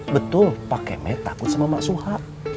betul pak kemet takut sama mak suha